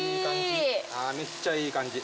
めっちゃいい感じ。